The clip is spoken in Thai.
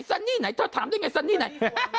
ถ้าถามได้ไงซันนี่ไหน